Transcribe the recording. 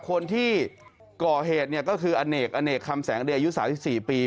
คนที่ก่อเหตุเนี่ยก็คืออเนกอเนกคำแสงเดยอายุ๓๔ปี